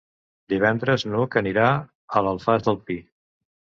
Divendres n'Hug anirà a l'Alfàs del Pi.